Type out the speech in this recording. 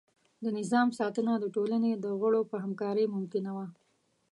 د نظام ساتنه د ټولنې د غړو په همکارۍ ممکنه وه.